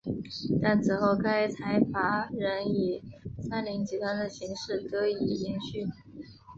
但此后该财阀仍以三菱集团的形式得以延续。